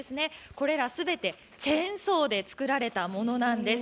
これら全て、チェンソーでつくられたものなんです。